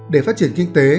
để phát triển kinh tế